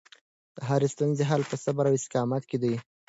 د هرې ستونزې حل په صبر او استقامت کې دی.